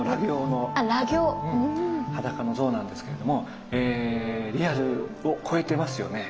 裸の像なんですけれどもリアルを超えてますよね。